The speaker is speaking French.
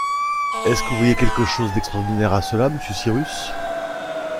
Est-ce que vous voyez quelque chose d’extraordinaire à cela, monsieur Cyrus